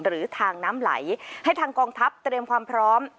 หรือทางน้ำไหลให้ทางกองทัพเตรียมความพร้อม